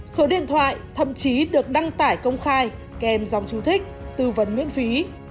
số điện thoại thậm chí được đăng tải công khai kèm dòng chú thích tư vấn miễn phí